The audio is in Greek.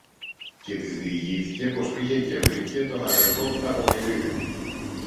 Και της διηγήθηκε πως πήγε και βρήκε τον αδελφό του Κακομοιρίδη